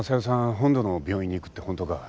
本土の病院に行くってホントか？